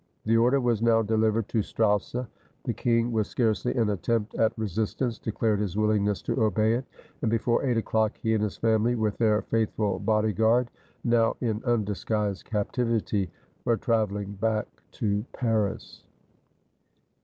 The order was now delivered to Strausse; the king, with scarcely an attempt at re sistance, declared his willingness to obey it; and before eight o'clock, he and his family, with their faithful body guard, now in undisguised captivity, were traveling back to Paris.